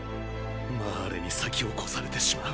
マーレに先を越されてしまう。